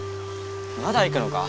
まだ行くのか？